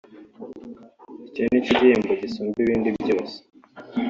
icyo ni cyo gihembo gisumba ibindi byose